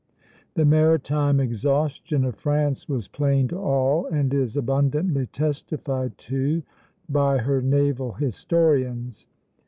The maritime exhaustion of France was plain to all, and is abundantly testified to by her naval historians.